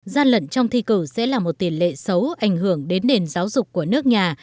gian lận trong thi cử sẽ là một tiền lệ xấu ảnh hưởng đến nền giáo dục của nước nhà